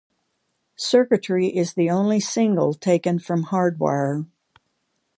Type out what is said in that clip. "Circuitry" is the only single taken from "Hard Wired".